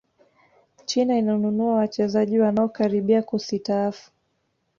china inanununua wachezaji wanaokaribia kusitaafu